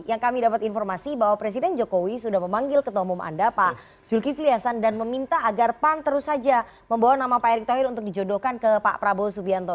yang kami dapat informasi bahwa presiden jokowi sudah memanggil ketua umum anda pak zulkifli hasan dan meminta agar pan terus saja membawa nama pak erick thohir untuk dijodohkan ke pak prabowo subianto